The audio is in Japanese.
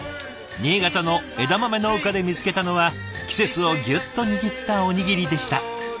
新潟の枝豆農家で見つけたのは季節をギュッと握ったおにぎりでした。